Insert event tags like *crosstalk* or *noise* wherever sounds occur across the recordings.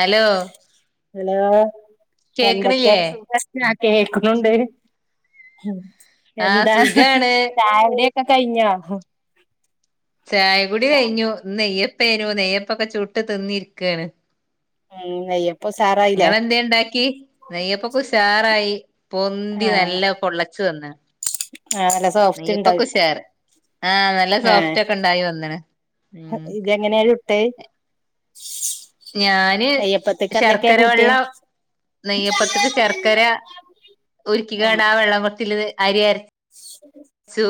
Hello hello എന്തൊക്കെ? കേക്കണില്ലേ സുഖ ഞാ കേക്ക്ണുണ്ട് ആഹ് എന്താ സുഖാണ് ചായുടിഒക്കെ കൈഞ്ഞോ? ചായ കുടി കഴിഞ്ഞു ന്ന് നെയ്യപ്പേനു നെയ്യപ്പൊക്കെ ചൂട്ട് തിന്ന് ഇരികാണ്. ഉം നെയ്യപ്പം. ഉസാറായില്ലേ ഇങ്ങളെന്തേ ഇണ്ടാക്കി? നെയ്യപ്പൊക്കെ ഉഷാറായി പൊന്തി ആഹ് നല്ല പൊള്ളച്ച് വന്നു. ആഹ് നല്ല സോഫ്റ്റ് നെയപ്പൊ കെ ഉണ്ടാവും ഉഷാർ ആഹ് നല്ല സോഫ്റ്റ് ഒക്കെ ഉണ്ടായി വന്ന്ണ്. ജ്ജങ്ങനെ ചുട്ടെ? ഞാന് ശർക്കര വെള്ളം നെയ്യപ്പത്ത്ക്ക് ശർക്കര. ഉരുക്കിക്കാണ്ട് ആ വെള്ളത്തിൽ അരി അരച്ച. *unintelligible* ച്ചു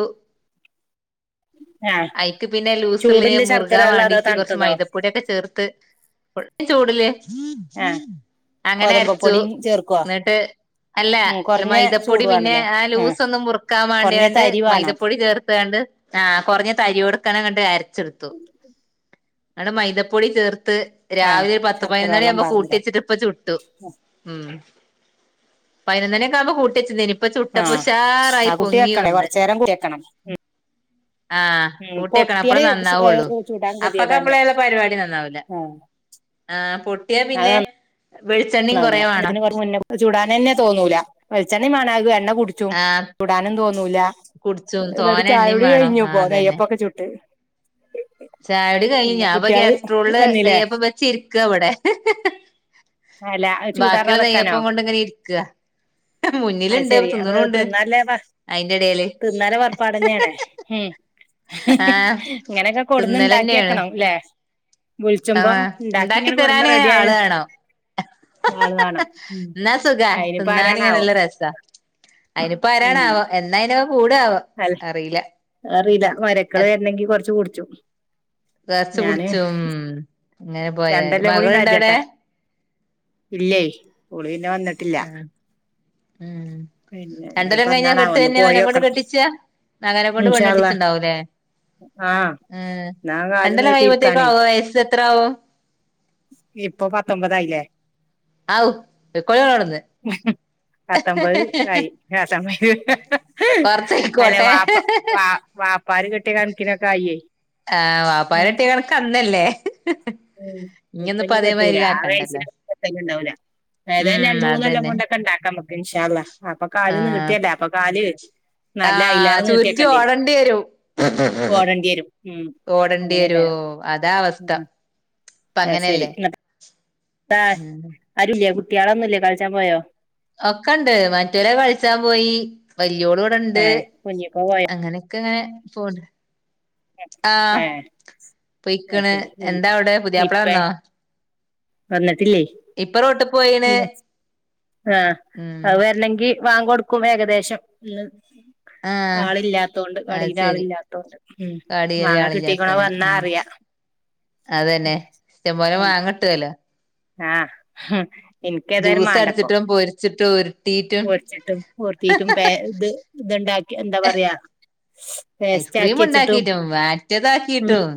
ആഹ് അയിക്ക് പിന്നെ ലൂസിലിന് ചൂടില്ല ശർക്കര മുറുഗാൻ ഉള്ളോ അതോ വേണ്ടിട്ട് കുറച്ച് തണുത്തതോ മൈതപ്പൊടിയൊക്കെ ചേർത്ത്. കൊറച്ച് ചൂടില് ആഹ് അങ്ങനെ ഗോതമ്പ് അരച്ചു പൊടിയും ചേർക്കുവോ ന്നിട്ട്. അല്ല ഉം കുറഞ്ഞ ചൂട് മൈദപ്പൊടി പിന്നെ വേണല്ലേ ആ ആഹ് ലൂസൊന്നും മുറുക്കാൻ കുറഞ്ഞ വേണ്ടിയാണ്ട് തരി വേണം മൈദപ്പൊടി ചേർത്താണ്ട്. ആഹ് കൊറഞ്ഞ ത തരിയോടുക്കനങ്ങട്ട് അരച്ചെടുത്തു ഇങ്ങട് മൈദപ്പൊടി ചേർത്ത്. ആഹ് രാവിലെ ഒരു പത്ത് ശർക്കര പതിനൊന്നാണി വെള്ളം ആവുമ്പോ കൂട്ടി പാർന്നില്ലേ വച്ചിട്ട് പ്പ ചുട്ടു. ഉം പതിനൊന്നണിയൊക്കെ ആവുമ്പോ കൂട്ടി വെച്ച തേനി. ഇപ്പൊ ആഹ് ചുട്ടപ്പഉഷാറായി ആ കുട്ടി പൊങ്ങി വെക്കണേ വന്ന് കൊറച്ചു നേരം കുടി വെക്കണം ആഹ് ഉം കൂട്ടിയെക്കണം അപ്പഴേ പൊട്ടിയാല് നന്നാവുള്ളൂ ചൂടാൻ അപ്പൊക്കെ ഗതികേടാണല്ലേ അപ്പളില്ല പരിപാടി നന്നാവൂല. ആഹ് ആ പൊട്ടിയാ അത് പിന്നെ വെളിച്ചെണ്ണയും കുറെവേണം അത് ചുടാന്നന്നെ തോന്നൂലാ വെളിച്ചെണ്ണയും വേണം അത് എണ്ണ കുടി ക്കും ആഹ് ചുടാനും തോന്നൂലാ കുടിച്ചും എന്നിട്ട് തോനെ ചായ എണ്ണയും കുടി വേണം ആഹ് കഴിഞ്ഞിപ്പൊ നെയ്യപ്പൊക്കെ ചുട്ട് ചായ കുടി കഴിഞ്ഞ് പിന്നെ ഞാപ്പോ ക്യാ കുട്ടികള് സറോളില് വന്നില്ലേ നെയ്യപ്പം വെച്ചിരിക്ക ഇവിടെ അല്ല അത് ബാക്കിയുള്ള ചൂടാറാതെക്കാനോ നെയ്യപ്പം കൊണ്ട് ഇങ്ങനെ ഇരിക്കുകാ അത് മുന്നിലുണ്ട് ശെരി അപ്പൊ അത് തിന്നണുണ്ട് തിന്നാല്ലേ അയിന്റെ ഇടേല് തിന്നാലെ പുറപ്പാടന്നെയാണ് ഉം ഇങ്ങനെയൊക്കെ കൊടുന്നു തിന്നലന്നെയാണ് ഉണ്ടാക്കിയേക്കണം അല്ലെ വിളിച്ചുമ്പം ആഹ് ഉണ്ടാക്കി ഇണ്ടാക്കി ഇങ്ങനെ കൊണ്ടുന്ന് തരാനിങ്ങനെ റെഡി ആയി ആള് വേണം ആള് വേണം ഉം എന്നാ സുഖാ അയിനിപ്പൊ തിന്നാനിങ്ങനെ ആരാണാവോ നല്ല രസാ അയിനിപ്പോ ആരാണാവോ എന്നാ അയിന്നൊക്കെ കൂടുക ആവോ അല്ലെ അറിയില്ല മരക്കള് വരണെങ്കി കൊറച്ച് കുടിച്ചും ഗ്ലാസ് ഞാന് കുടിച്ചും അങ്ങനെ രണ്ട് പോയാല് കൊല്ലം കൂടിയും മകളുണ്ടോ അവിടെ കഴിയട്ടെ ഇല്ലേ സ്കൂളിന്ന് വന്നിട്ടില്ല ഉം ഉം പിന്നെ രണ്ട് കൊല്ലം ഇനിയിപ്പോ കഴിഞ്ഞാ എന്നാണാവോ കെട്ട് ഒന്ന് തന്നെയാ അവനെങ്ങോണ്ട് പോയോക്കണം കെട്ടിച്ചാ മകനെ കൊണ്ട് പെണ്ണ് ഇൻഷാ അള്ളാ കെട്ടിച്ചുണ്ടാവും ല്ലേ ആഹ് ആഹ് എന്നാ കാല് രണ്ട് കൊല്ലം കഴിയുമ്പോത്തേക്കും നീട്ടിയിരിക്കാനേ അവന് വയസ് എത്ര ആകും ഇപ്പൊ പത്തൊമ്പതായില്ലേ ആകും പൊക്കോണം അവിടുന്ന് പത്തൊമ്പത് ആയി ആഹ് സമയൊക്കെ കൊറച്ചായിക്കോട്ടെ ആഹ് വാപ്പാര് കെട്ടിയ കണക്കിനൊക്കെ ആയിയെ ആഹ് വാപ്പാര് കെട്ടിയ കണക്ക് അന്നല്ലേ ഇപ്പോ ഇഞ്ഞൊന്നിപ്പോ ഇനി കെട്ടൂല അതേമാതിരി ആ ആക്കണ്ടല്ലോ വയസ്സിന് കല്യാണം ഉണ്ടാവൂല പെരെല്ലാം ഉം രണ്ട് മൂന്ന് കൊല്ലം അതന്നെ കൊണ്ടൊക്കെ ഉണ്ടാക്കാം നമുക്ക് ഇൻഷാള്ള അപ്പൊ കാല് നീട്ടല്ലേ അപ്പോ കാല് ആ നല്ല അയിലേറെ ചുറ്റി നീട്ടിയേക്കേണ്ടി ഓടേണ്ടി വരും ഓടേണ്ടി വരും ഉം ഓടേണ്ടി വരുവോ അങ്ങനെക്കാരം അതാ അവസ്ഥ ഉം ഇപ്പം അങ്ങനെയല്ലേ അവിട ഉം ആരും ഇല്ലേ കുട്ടികളൊന്നുംഇല്ലേ കളിച്ചാൻ പോയോ ഒക്കെ ഉണ്ട് മറ്റവര് കളിച്ചാൻ പോയി വലിയോള് ഇവിടുണ്ട് ഏ കുഞ്ഞിക്കോ പോയോ അങ്ങനെ ഒക്കെ ഇങ്ങനെ പോണ് ഏ ആഹ് അത് പൊയിക്കണ് ശരി എന്താ പിന്നെ അവിടെ പുതിയാപ്പള ഇപ്പേ വന്നൊ വന്നിട്ടില്ലേ ഇപ്പ റോട്ട് പോയിണ് ആഹ് ഉം അതു വരണെങ്കി വാങ്ക് കൊടുക്കുമ്പോ ഏകദേശം ഉം ആഹ് ആളില്ലാത്തോണ്ട് അത് കടയിലാ ശരി ളില്ലാത്തോണ്ട് ഉം കടയില് മാങ്ങ കിട്ടിക്കണോ ആളില്ലാത്തൊണ്ട് വന്നാ ഉം അറിയാ അതന്നെ ഇഷ്ട്ടം പോലെ മാങ്ങാകിട്ടുമല്ലോ ആഹ് ഹും എനിക്ക് ഏതായാലും ജ്യൂസ് മേണ്ടപ്പോ അടിച്ചിട്ടും പൊരിച്ചിട്ടും ഉരുട്ടിയിട്ടും കൊറച്ചിട്ടും പൊറത്തീട്ടും പേ ഇത് ഇതുണ്ടാക്കി എന്താ പറയാ പേസ്റ്റ് ഐസ്ക്രീം ആക്കി വെച്ചിട്ടും ഉണ്ടാക്കീട്ടും മറ്റേ ഉം താക്കിട്ടും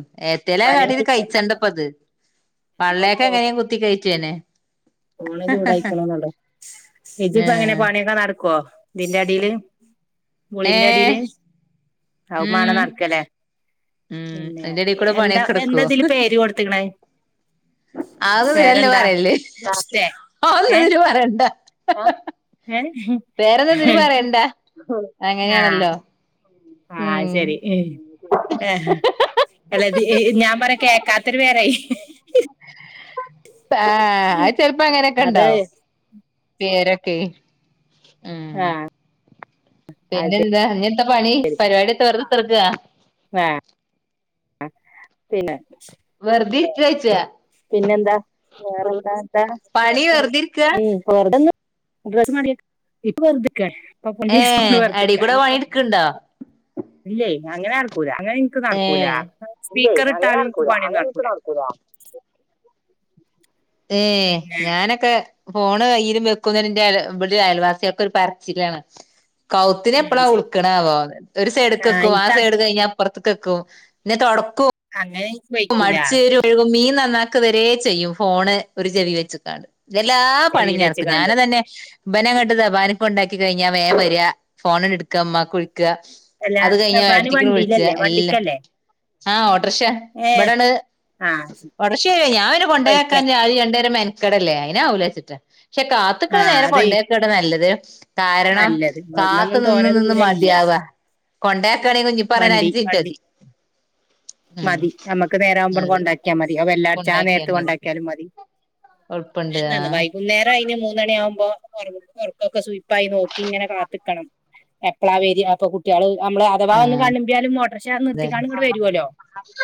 പലേ എന്തേലുക്കെകാട്ടിട്ടും ഐറ്റം ഉണ്ടാക്കി. കഴിച്ചാണ്ടപ്പൊ ഇത് പള്ളയെക്കെ എങ്ങനെയും കുത്തി കയറ്റിയെന്നേ ഓള് ചൂടായികൊള്ളുമെന്നു കണ്ടോ ഇഞ്ചിപ്പോ എങ്ങനെയാ ഏഹ് പണിയൊക്കെ നടക്കുവൊ ഇതിന്റെ അടിയില് മോളിന്റെ ഏഹ് അടിയില് ഉം അവമ്മാങ്ങ് നടക്കല്ലേ ഉം പിന്നെ അതിന്റെ എടേ കൂടെ എന്താ പണിയൊക്കെ എന്താതില് പേര് കൊടുത്തക്ക്ണേ അതൊന്നു ഇതില് പറയല്ല് ആഹ് മുസ്തേ ഓ അത് ഇതില് പറയണ്ടാ ഏഹ് വേറെന്താ ഇതില് പറയണ്ടെ ആഹ് അങ്ങനെയാണല്ലോ ആഹ് അത് ഉം ശരി ആഹ് അല്ലത് ഈ ഞാൻ പറയാ കേക്കാത്തൊരു പേരായി പാ അഹ് ചെലപ്പം അത് അങ്ങനെയൊക്കെണ്ടാവും പേരൊക്കെ ഉം ആഹ് അത് പിന്നെന്താ ഇഞ്ഞെന്താ പണി പരിവാടിയെത്താ വെറ്തെ കുത്തർക്കാ വേ ആഹ് പിന്നെ വെറ്തിരിക്ക്യോയ്ച്ചാ പിന്നെന്താ വേറെന്താ പണി വർത്താനം വെറുതെ ഇരിക്കാ ഉം വെറുതൊന്ന് ഡ്രസ്സ്മാറിയേക്ക് ഇപ്പം വെറ്തെക്കാ ഏഹ് *unintelligible* അടീ വെറുതെര്ക്ക കൂടെ ഇഞ്ഞ്പ്പോ പണി എടുക്ക്ണ്ടോ ഇല്ലേ അങ്ങനെ നടക്കൂല്ല അങ്ങനിം ഇന് ക്ക്‌ നടക്കൂലാ ഏഹ് ഇല്ലേ സ്പീക്കർ അങ്ങനെ ഇട്ടാലും ഇന്ക്ക് നടക്കൂല പണിയൊന്നും അങ്ങനെ ഇപ്പ നടക്കൂലാ നടക്കൂല ഏഹ് പിന്നെ ഞാനൊക്കെ ഫോണ് കയ്യിലും വെക്കുന്നേന്‌ ഇന്റെ ഇവടെ അയൽവാസിയേക്കൊരു പറച്ചിലാണ് കൗത്തിനെ ഉം എപ്പളാ അത് ശരി ഉൾക്ക്‌ണാവോന്ന് ഒരു സൈഡ്ക്ക്‌ വെക്കും ആ എനിക്ക് അ സൈഡ് കഴിഞ്ഞാ പൊർത്ത്ക്കെ‌ക്കും പിന്നെ തൊടക്കും അങ്ങനെ എനിക്ക് വയ്ക്കൂല അടിച്ചേരും ഴ്കും മീൻ നന്നാക്ക വരെ ചെയ്യും ഫോണ് ഒരു ചെവി വെച്ച്ക്കാണ്ട് ഇതെല്ലാ പണിം ചെവിയിൽ ഞാൻ ഇട്ക്കും വെച്ച്കാണ്ട് ഞാനതന്നെ ഇബനങ്ങട്ട് *unintelligible* കൊണ്ടാക്കി കഴിഞ്ഞാ വേം വര്യാ ഫോണാണ് ഇ‌ട്ക്ക ഇമ്മാക്ക് വിളിക്കാ അല്ല അത് കഴിഞ്ഞാ സബാന് ഏട്ടത്തിക്ക്‌ വിളിച്ച വണ്ടിയിലല്ലേ എല്ലാം വണ്ടിക്കല്ലേ ആഹ് ഓട്ടർക്ഷ ഏ ഇവടാണ് ആ ഓട്ടർക്ഷെ ഞാൻ പിന്നെ കൊണ്ടയാക്കാൻ ബൈക്ക് ചെ *unintelligible* രണ്ടേരം മെന്ക്കടല്ലേ അയിനാവുലാച്ച്ട്ട് പക്ഷെ കാത്ത്ക്ക്‌ണ ആ നേരം അത് കൊണ്ടയാക്കാട്ടൊ നല്ലത് കാരണം നല്ലത് കാത്ത് ഇവിടുന്നൊന്നും നിന്ന് തോനെ നിന്ന് ദൂരല്ല മതിയാവ കൊണ്ടയാക്കാണെങ്കി കുഞ്ഞിപ്പ പറയല് വണ്ടി അഞ്ച് വണ്ടി മിന്ട്ടതി മതി നമ്മക്ക് നേരവുമ്പാണ്ട് അതെ കൊണ്ടയാ ക്കിയാ മതി അഹ് ബെല്ലടിച്ചാ കൊണ്ടാക്കിയാ നേരത്ത് മതി കൊണ്ടാക്കിയാലും മതി എളുപ്പണ്ട് *unintelligible* കുന്നേരം അയിന് മൂന്നണിയാവുമ്പോ ഒർ ഒറക്കൊക്കെ സുയ് പ്പായി നോക്കിങ്ങനെ കാത്ത്ക്കണം എപ്പളാ വെര്യാ അപ്പൊ കുട്ട്യാള് അമ്മളെ അ ഥവാ ഒന്ന് ആഹ് കണ്ണുമ്പിയാലും ഓട്ടർക്ഷ നിർത്തിക്കാണ്ട് ഇങ്ങട്ട് വരോല്ലോ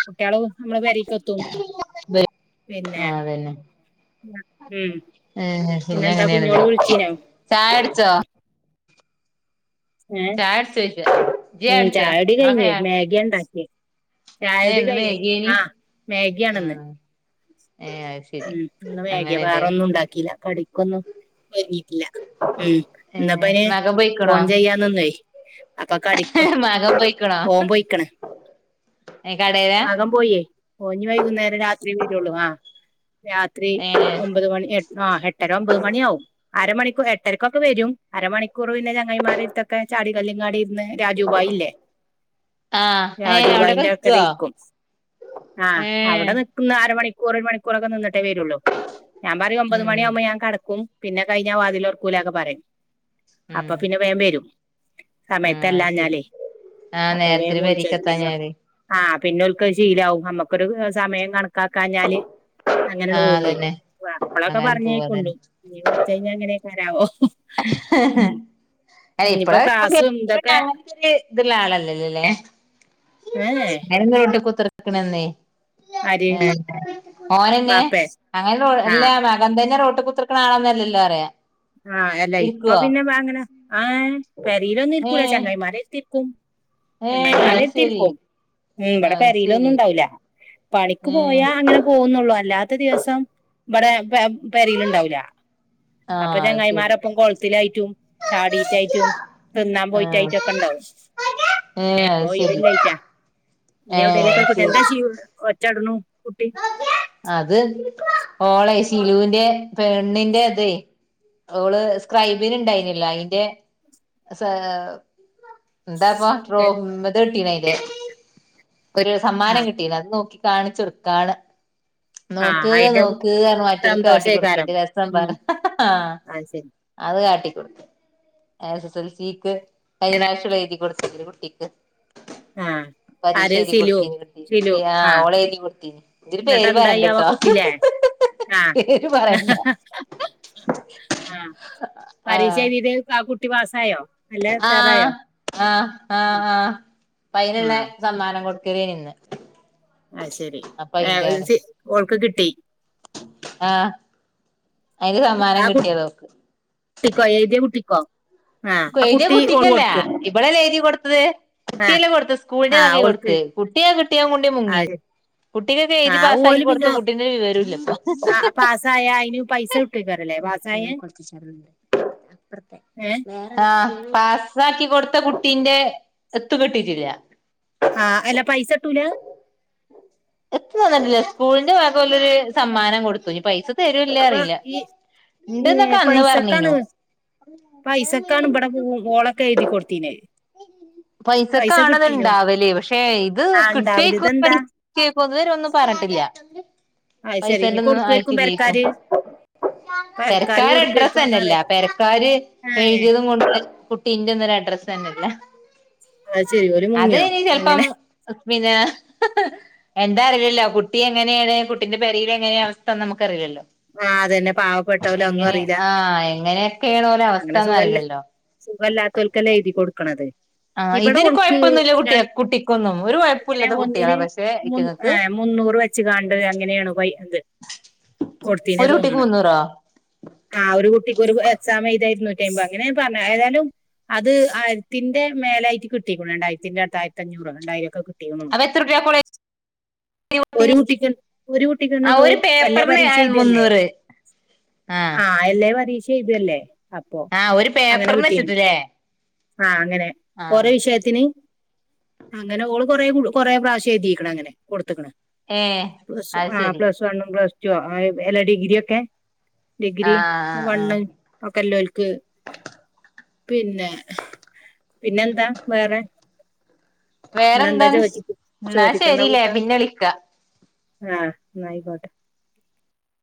കുട്ട്യാളും അമ്മളെ പെരീക്കെത്തും ആഹ് പിന്നെ ആഹ് അതന്നെ *unintelligible* ഉം ഏഹ് പിന്നെ പിന്നെന്താ അങ്ങനേണ്ല്ലെ കുഞ്ഞോള് വിളിച്ചീനോ ചായുടിച്ചോ ഏഹ് ചായുടിച്ചോയ്ക്കാ ഉം ചായുടി കഴിഞ്ഞ് മാഗിയാ ഇണ്ടാക്കിയെ ഏഹ് ചായുടി ഇന്ന് കഴിഞ്ഞു വൈകിയേനി ആഹ് മാഗിയാണ് ഇന്ന് ആഹ് ഏഹ് അഹ് ശരി ഉം ഇന്ന് മാഗിയാ അങ്ങനെല്ലേ വേറൊന്നും ഉണ്ടാക്കീല്ല കടിക്കൊന്നും ഒര്ങ്ങിയിട്ടില്ല ഉം ഏ ഇന്ന്പ്പയിന് മകൻ പോയിക്കണോ ഫോൺ ചെയ്യാൻ നിന്നുവേ അപ്പ കടിക്കോ മകൻ പോയിക്കണോ ഓൻ പോയിക്ക്ണ് ഏ കടേലാ മകൻ പോയേ ഓൻ ഇഞ്ഞ് വൈകുന്നേരം രാത്രി വെരൊള്ളൂ ആഹ് രാത്രി ഏ ഒമ്പത് മണി എ ആഹ് എട്ടര ഒമ്പത് മണിയാവും അരമണിക്കു എട്ടരക്കൊക്കെ വരും അരമണിക്കൂർ പിന്നെ ചെങ്ങായിമാരെട്ത്തൊ ക്കെ ചാടികല്ല്ങ്ങാടി ഇര്ന്ന് രാജുഭായില്ലേ ആ ഏ അവിടൊക്കെ രാജുഭായിന്റെ വിക്കുവോ ആടെത്തന്നെയിരിക്കും ആഹ് ഏ അവടെ നി ന്ന് അര മണിക്കൂർ ഒരു മണിക്കൂറൊക്കെ നിന്ന്ട്ടേ വെരൊള്ളൂ ഞാൻ പറയും ഒമ്പത് ഉം മണിയാവുമ്പം ഞാൻ കടക്കും പിന്നെ കഴിഞ്ഞാ വാതിലൊറ്ക്കൂലാ ഒക്കെ പറിം അപ്പൊ ഉം പിന്നെ വേം വരും ആ അത് ശരി സമയത്തല്ലാഞ്ഞാലേ ആ അപ്പൊ വേം നേരത്തിന് വിളിച്ചെരു പിന്നെ പെരീക്കെത്താഞ്ഞാല് ആഹ് പിന്നെ ഓൽക്ക്‌ അഹ് ശീലാവും നമ്മക്കൊരു ഏഹ് സമയം കണ ക്കാക്കാഞ്ഞാല് ആ അങ്ങനാട് പോവേ അതന്നെ വാ ഇപ്പളൊക്കെ അങ്ങനെ പോവാ പറഞ്ഞേക്കുണ്ട് അതന്നെ ഇഞ്ഞ് കൊറ്ച്ചഴിഞ്ഞ എങ്ങനേക്കാരാവോ ഏഹ് ഇപ്പളെ *unintelligible* ഇത്ള്ള ആളല്ലല്ലോല്ലേ ഏഹ് ഞാനിന്ന് വീട്ട് കുത്തർ ആര് ഓനന്നെ വാപ്പേ അങ്ങന അല്ല ആഹ് അം തന്നെ റട്ട് കുർക്കണ ആണോ എന്നല്ലോ അയാം *unintelligible* ആഹ് അല്ല ഇപ്പ പിന്നെ അങ്ങനെ ആഹ പെരിയിലൊന്നും ഇരിക്കൂല ഏ ചങ്ങൈമാര ഇൽത്തിരിക്കും ഏഹ് അത് ചെങ്ങാതിമാരെത്തി ശരി ഇപ്പൊ ഉ ഇവിടെ അത് വരിലൊന്നും ശരി ഉണ്ടാവൂല്ല പണിക്ക് ഏഹ് പോയാ അങ്ങനെ പോകുന്നുള്ളൂ അല്ലാത്ത ദിവസം ഇവിടെ പരയിലുണ്ടാവൂല അപ്പൊ ആഹ് അത് ശരി ചെങ്ങായിമാരപ്പം കൊളത്തിലായിട്ടും ചാടീറ്റായിട്ടും തിന്നാൻ ആഹ് പോയിട്ടായിട്ടൊക്കെ ഇണ്ടാവും ഏഹ് അത് ശരി പോയിവില്ലായിറ്റാ ഏഹ് അത് ശരി *unintelligible* അത് ഓള ശിലുവിന്റെ പെണ്ണിന്റെ അതെ അവള് സ്ക്രബിനു ഉണ്ടായിനില്ല അതിന്റെ എന്താപ്പോ ബ്രോ ഇത് കിട്ടീന അല് ഒരു സമ്മാനം ആഹ് കിട്ടീന അത് നോക്കി കാണിച്ചുറുക്കാണ് ആഹ് നോക്ക് അയിന്റെ നോക്ക് കാര മറ്റിയര് സന്തോഷേക്കാരം കാട്ടിടുക്കേന്റെ രസം പറ ഉം ആ അത് ശരി അത് കാട്ടിക്കൊടുക്ക എസ് എസ് എൽ സിക്ക് കഴിഞ്ഞാഴ്ചകൾ എഴുതി കൊടുത്തേ കുട്ടിക്ക് ആഹ് പരീക്ഷ ആര് എഴുതി സിലു കൊടുത്തീ സിലു ആ ഓളെ എഴു കൊടുത്തീന് എതിരു പേരുമാന അയ്യവാ കുട്ടിലേ ആഹ് പറയണ്ട ആഹ് ആ പരീക്ഷ എഴുതിറ്റെങ്ങാനുണ്ട് ആ കുട്ടി പാസ്സായോ നല്ല ആഹ് ഉഷാറായോ ആഹ് ആഹ് ആഹ് ആ അയിനുള്ള സമ്മാനം കൊടുക്കരുനിന്ന് ആ ശെരി ഓൾക്ക് കിട്ടി ആഹ് അതിന് സമ്മാനം ആ കിട്ടിയത് കുട്ടിക്കോ എഴുതിയ കുട്ടിക്കോ ആഹ് ആ കുട്ടി ഓൾ കൊടുക്ക് ഇവളല്ലേ എഴുതി കൊടുത്തത് ആ കുട്ടിയെല്ലേ കൊടുത്ത് സ്കൂളിന്റെ ആ വകെ ഓൾക്ക് കൊടുത്ത് കുട്ടിയാ കിട്ടിയാ കൊണ്ടേ മുങ്ങി അത് കുട്ടിക്കൊക്കെ ആ എഴുതി പാസ്സ ആക്കി ഓല് കൊടുത്ത പിന്നെ കുട്ടീക്ക് വരവില്ലല്ലോ *inaudible* ആ പാസ്സായ അയിന് പൈസ കിട്ടേക്കാരല്ലേ പാസ്സായ ഏഹ് ആഹ് പാസ്സാക്കി കൊടുത്ത കുട്ടീന്റെ എത്ത കെട്ടിട്ടില്ല ആഹ് അല്ല പൈസ കിട്ടൂല എത്ര നന്നിണ്ടില്ല സ്കൂളിന്റെ ഭാഗംല്ലരു സമ്മാനം കൊടുത്തുനി പൈസ തരൂല്ലേ അപ്പൊ അറിയില്ല ഈ ഈ ഉണ്ട്ന്നൊക്കെ അന്ന് പൈസക്കാണ് പറഞ്ഞിനു പൈസക്കാണ് ഇവിടെ ഓള്ളൊക്കെ എഴുതി കൊടുത്തീനേ പൈസക്കണത്ണ്ടാവലേ പക്ഷേ ഇത് ആ ഉണ്ടാവില്ല കിട്ടിയേക്ക ഇതെന്താ പൊതുവരെ ഒന്നും പറഞ്ഞട്ടില്ല അത് ശരി ഇനി പൈസന്റെ ഒന്നും കൊടുക്കുമായിരിക്കും ആയിട്ടില്ല ഇപ്പൊ പെരക്കാര് പെരക്കാര് തിരക്കാർ അഡ്രസ്സ് കൊടുക്കുമായിരിക്കും തന്നെയല്ല എന്നറിയ തിരക്കാര് ഏഹ് എഴുതിയതും കൊണ്ട് ട്ടീറ ഒന്ന ഒരു അഡ്രസ് തന്നെല്ല അത് ശരി ഓല് അത് മുങ്ങിയോ ഇനി ചെലപ്പം അങ്ങനെ പിന്നെ എന്താ അറിയില്ലോ കുട്ടി എങ്ങനെയാണ് കുട്ടിന്റെ പെരേടെ എങ്ങനെയ അവസ്ഥന്ന് നമുക്ക് അറിയില്ലോ ആഹ് അതന്നെ പാവപ്പെട്ടവല് ഒന്നും എങ്ങനെ അറിയില്ല ആഹ് എങ്ങനെയൊക്കെയണ ഓല അവസ്ഥന്ന അറിയില്ലോ സുഖംമല്ലാത്തവൽക്കല്ല എഴുതി കൊടുക്കണത് ആ ഇവിടെ ഇതിന് ഓൾക്ക് കുഴപ്പൊന്നുമ ഇല്ല കുട്ട രണ്ട് കുട്ടിക്കൊന്നും ഒരു കുഴപ്പില്ലാത്ത കുട്ടികളാ പക്ഷെ ഏ മുന്നൂറ് വെച്ച് കണ്ടത് അങ്ങനെയാണ് വൈ അത് കൊടുത്തീനേ ഒരു കുട്ടിക്ക് തോന്നണ മുന്നൂറോ ആഹ് ഒരു കുട്ടിക്ക് ഒരു എക്സാം എഴുതാരുന്നു അമ്പത് അങ്ങനെ പറഞ്ഞ ഏതാലും അത് ആയിരത്തിന്റെ മേലായിട്ട് കിട്ടിക്കണം രണ്ടായിരത്തിന്റെ അടുത്തായിരഞ്ഞൂറ് രണ്ടായിരം ഒക്കെ അത് എത്ര രൂപയാ *unintelligible* ഒരു കുട്ടി ഒരു കുട്ടിക്ക ആഹ് ഒരു ഉള്ളൂല്ലേ പേപ്പറിന് പരീക്ഷയ മുന്നൂറ് ആഹ് എല്ലേ പരീശൈയ്തല്ലേ അപ്പൊ ആഹ് ഒരു അങ്ങനെ പേപ്പറിന് കിട്ടീണ്. വെച്ചിട്ടില്ലേ ആഹ് അങ്ങനെ ആഹ് ഓരോ വിഷയ ത്തിന് അങ്ങനെ ഓള് കൊറേ കു കൊറേ പ്രാവശ്യം എഴുതീക്ക്ണങ്ങനെ കൊട്ത്ത്ക്ക്ണ് ഏഹ് പ്ലസ് അത് ആ ശരി പ്ലസ് വൺ പ്ലസ്റ്റൊ എല്ല ഡിഗിരിയൊക്കെ ഡിഗ്രി ആഹ് ആഹ് ആഹ് വണ്ണ് ഒക്കെ ഇല്ലോൽക്ക് പിന്നെ പിന്നെന്താ വേറെ ഇന്ന് എന്താ വേറെന്താ ചോ എന്നാ ചോറ്റിക്കെന്ത ശരില്ലേ കൂട്ട പിന്നെ വിളിക്കാ ആഹ് ന്നആയിക്കോട്ടെ